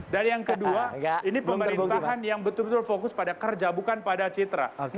dan yang kedua ini pemerintahan yang betul betul fokus pada kerja bukan pada citra